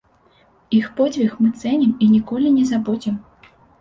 Іх подзвіг мы цэнім і ніколі не забудзем.